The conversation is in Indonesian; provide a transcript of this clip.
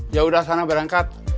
yaudah sana berangkat